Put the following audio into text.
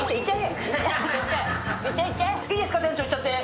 いいですか、店長、いっちゃって？